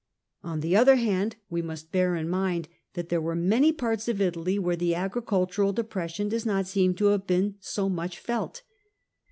On the other hand, we must bear in mind that there were many parts of Italy where the agricultural depression does not seem to have been so much felt.